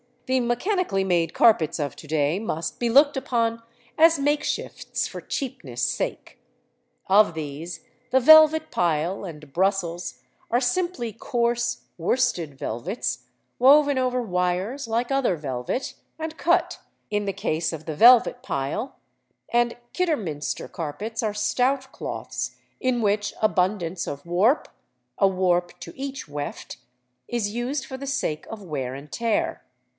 The mechanically made carpets of to day must be looked upon as makeshifts for cheapness' sake. Of these, the velvet pile and Brussels are simply coarse worsted velvets woven over wires like other velvet, and cut, in the case of the velvet pile; and Kidderminster carpets are stout cloths, in which abundance of warp (a warp to each weft) is used for the sake of wear and tear.